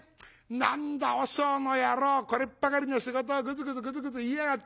何だ和尚の野郎これっぱかりの仕事をぐずぐずぐずぐず言いやがって！